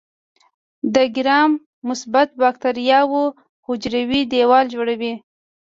د ګرام مثبت باکتریاوو حجروي دیوال جوړوي.